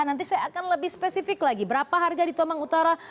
nanti saya akan lebih spesifik lagi berapa harga di tomang utara